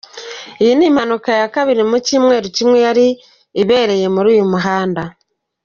Iyi ni impanuka ya kabiri mu cyumweru kimwe yari ibereye muri uyu muhanda.